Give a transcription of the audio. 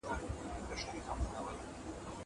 هغه څوک چي سپينکۍ مينځي روغ وي.